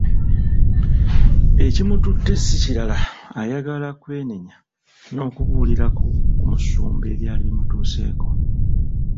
Ekimututte si kirala, ayagala kwenenya n’okubuulirako ku musumba ebyali bimutuuseeko!